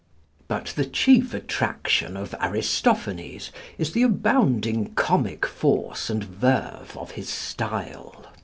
But the chief attraction of Aristophanes is the abounding comic force and verve of his style.